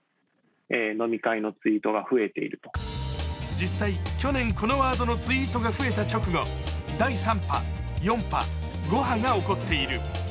実際、去年このワードのツイートが増えた直後、第３波、４波、５波が起こっている。